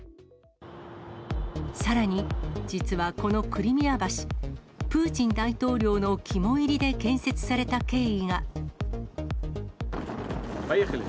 さらに、実はこのクリミア橋、プーチン大統領の肝煎りで建設された経緯が。